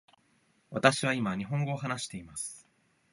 私は今日本語を話しています。